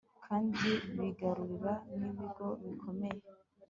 kandi bigarurira n'ibigo bikomeye